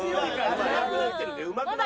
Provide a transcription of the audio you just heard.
うまくなってるね。